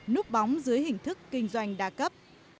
nút bóng dưới hình thức kinh doanh đa cấp